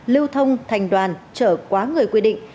lưu thông thành đoàn trở quá người quy định